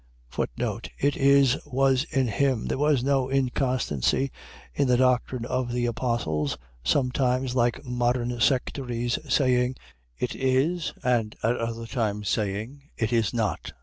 It is, was in him. . .There was no inconstancy in the doctrine of the apostles, sometimes, like modern sectaries, saying, It is, and at other times saying, It is not.